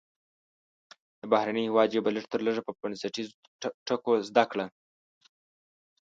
د بهرني هیواد ژبه لږ تر لږه په بنسټیزو ټکو زده کړه.